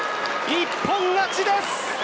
一本勝ちです。